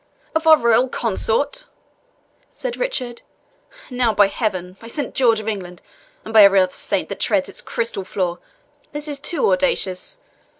"Of our royal consort!" said Richard. "Now by Heaven, by Saint George of England, and every other saint that treads its crystal floor, this is too audacious!